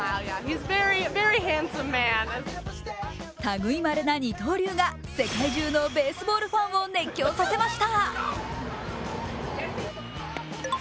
類まれな二刀流が世界中のベースボールファンを熱狂させました。